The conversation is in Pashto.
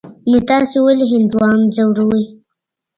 نو تاسې ولي هندوان ځوروئ.